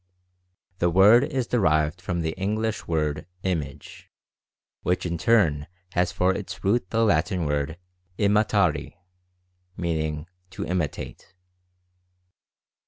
The word is derived from the English 125 126 Mental Fascination word ''Image," which in turn has for its root the Latin word "ima tari" meaning "to imitate."